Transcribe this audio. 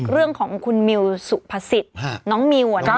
เรื่องของคุณมิวสุภาษิตน้องมิว